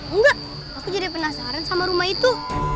enggak aku jadi penasaran sama rumah itu